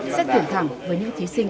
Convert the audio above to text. xét tuyển thẳng với những thí sinh